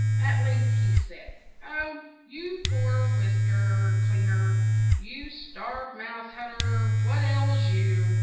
At length he said: "Oh, you poor whisk er clean er, you starved mouse hunt er, what ails you?